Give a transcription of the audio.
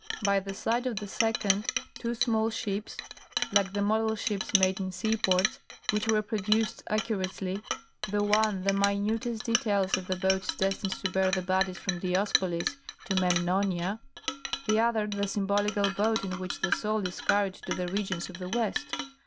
By the side of the second, two small ships, like the model ships made in seaports, which reproduced accurately, the one the minutest details of the boats destined to bear the bodies from Diospolis to Memnonia, the other the symbolical boat in which the soul is carried to the regions of the West.